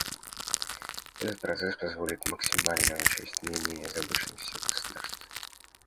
Этот процесс позволит максимально учесть мнения и озабоченности всех государств.